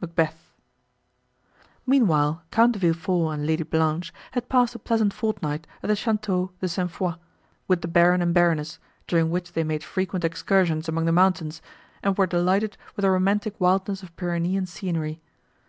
MACBETH Meanwhile Count De Villefort and Lady Blanche had passed a pleasant fortnight at the château de St. Foix, with the Baron and Baroness, during which they made frequent excursions among the mountains, and were delighted with the romantic wildness of Pyrenean scenery.